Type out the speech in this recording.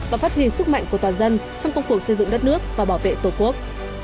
và phát huy sức mạnh của toàn dân trong công cuộc xây dựng đất nước và bảo vệ tổ quốc